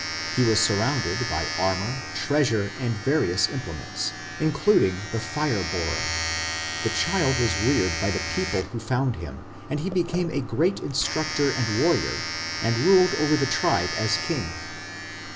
He was surrounded by armour, treasure, and various implements, including the fire borer. The child was reared by the people who found him, and he became a great instructor and warrior and ruled over the tribe as king.